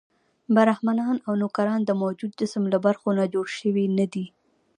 برهمنان او نوکران د موجود جسم له برخو نه جوړ شوي نه دي.